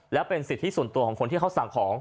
และเป็นสิทธิส่วนตัวของคนที่เขาสั่งของ